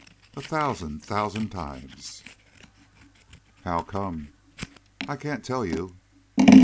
"A thousand, thousand times!" "How come?" "I can't tell you."